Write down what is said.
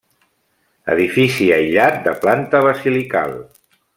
Edifici aïllat, de planta basilical.